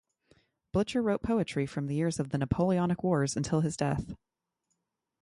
Blicher wrote poetry from the years of the Napoleonic Wars until his death.